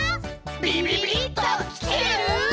ビビビッときてる？